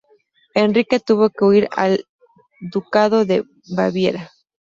Enrique tuvo que huir al ducado de Baviera.